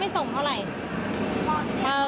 ไม่ส่งเท่าไหร่